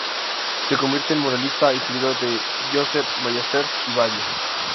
Se convierte en muralista y seguidor de Josep Maria Sert y Badia.